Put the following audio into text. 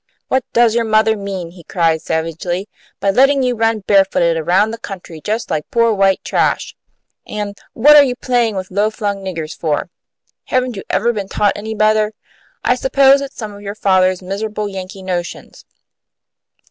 "What does your mother mean," he cried, savagely, "by letting you run barefooted around the country just like poor white trash? An' what are you playing with low flung niggers for? Haven't you ever been taught any better? I suppose it's some of your father's miserable Yankee notions."